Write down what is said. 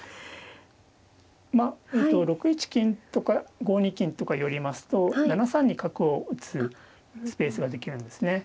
えと６一金とか５二金とか寄りますと７三に角を打つスペースが出来るんですね。